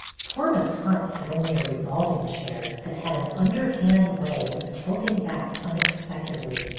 Poor Miss Hunt had only a revolving chair, that had an underhand way of tilting back unexpectedly.